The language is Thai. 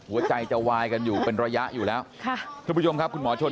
ว่าใจจะวายกันอยู่เป็นระยะอยู่แล้วทุกประโยมขวับคุณหมอชน